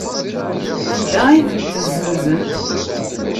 Anda ay tent-ssenzent?